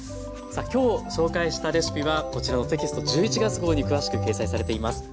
さあ今日紹介したレシピはこちらのテキスト１１月号に詳しく掲載されています。